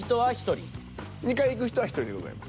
２回行く人は１人でございます。